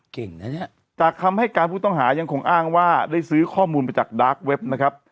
นะเนี่ยจากคำให้การผู้ต้องหายังคงอ้างว่าได้ซื้อข้อมูลไปจากดาร์กเว็บนะครับ